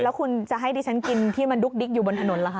แล้วคุณจะให้ดิฉันกินที่มันดุ๊กดิ๊กอยู่บนถนนเหรอคะ